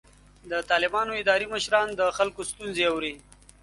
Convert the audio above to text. د طالبانو اداري مشران د خلکو ستونزې اوري.